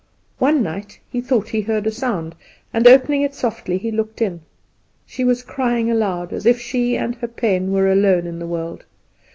One night he thought he heard a sound, and, opening it softly, he looked in. She was crying out aloud, as if she and her pain were alone in the world.